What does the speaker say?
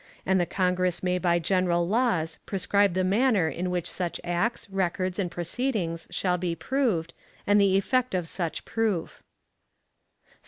And the Congress may by general laws prescribe the manner in which such acts, records, and proceedings shall be proved, and the effect of such proof.